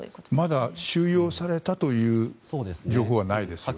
まだ収容されたという情報はないんですよね。